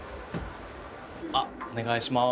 あっお願いします。